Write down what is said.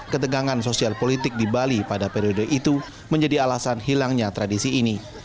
ketegangan sosial politik di bali pada periode itu menjadi alasan hilangnya tradisi ini